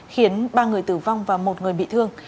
khiến ba người tử vong và một người bị thương